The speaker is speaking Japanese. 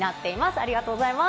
ありがとうございます。